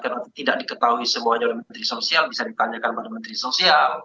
karena tidak diketahui semuanya oleh menteri sosial bisa ditanyakan kepada menteri sosial